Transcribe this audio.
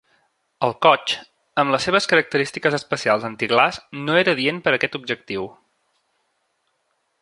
El Kotx, amb les seves característiques especials antiglaç, no era adient per aquest objectiu.